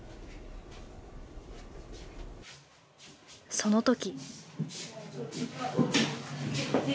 その時。